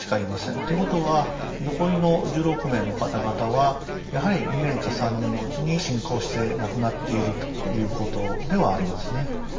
ということは残りの１６名の方々はやはり２年か３年のうちに進行して亡くなっているということではありますね。